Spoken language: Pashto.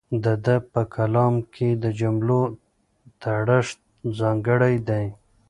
د ده په کلام کې د جملو تړښت ځانګړی دی.